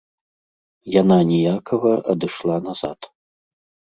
Яна ніякава адышла назад.